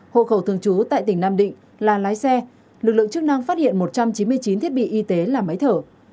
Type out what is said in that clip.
hộ khẩu thường trú tại tỉnh nam định là lái xe lực lượng chức năng phát hiện một trăm chín mươi chín thiết bị y tế là máy thở